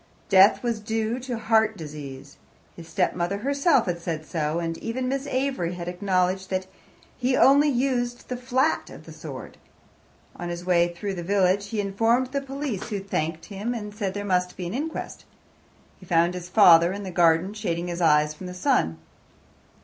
Death was due to heart disease. His stepmother herself had said so, and even Miss Avery had acknowledged that he only used the flat of the sword. On his way through the village he informed the police, who thanked him, and said there must be an inquest. He found his father in the garden shading his eyes from the sun.